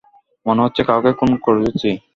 মনে হচ্ছে কাউকে খুন করেছি।